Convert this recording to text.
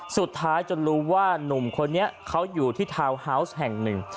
สุดท้ายจนรู้ว่านุ่มคนนี้เขาอยู่ที่ทาวน์ฮาวส์แห่งหนึ่ง